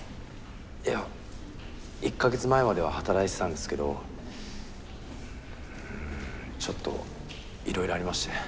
いや１か月前までは働いてたんですけどちょっといろいろありまして。